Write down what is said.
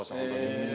へえ。